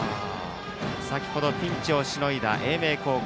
先程はピンチをしのいだ英明高校。